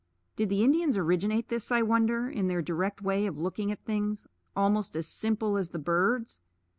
Did the Indians originate this, I wonder, in their direct way of looking at things, almost as simple as the birds'?